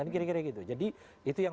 ini kira kira gitu jadi itu yang